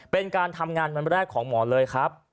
เป็นการทำงานวันแรกของหมอเลยครับ